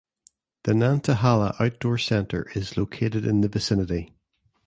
The Nantahala Outdoor Center is located in the vicinity.